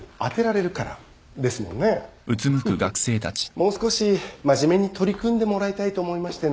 もう少し真面目に取り組んでもらいたいと思いましてね。